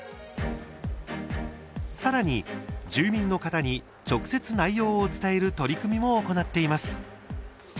さらに、住民の方に直接、内容を伝える取り組みも行っています。